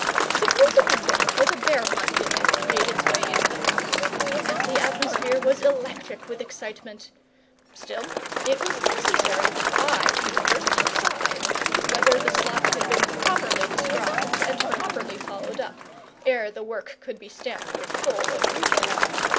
Supposing a book with a bear hunt in it made its way into the house, and the atmosphere was electric with excitement; still, it was necessary that I should first decide whether the slot had been properly described and properly followed up, ere the work could be stamped with full approval.